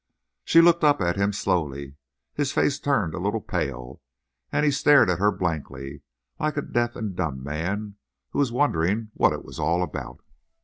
She looked up at him slowly. His face turned a little pale, and he stared at her blankly, like a deaf and dumb man who was wondering what it was all about.